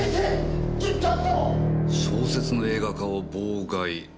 小説の映画化を妨害ですか。